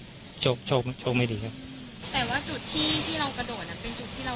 แต่ว่าจุดที่เรากระโดดเป็นจุดที่เราเคยกระโดดกันอยู่แล้วใช่ไหมครับ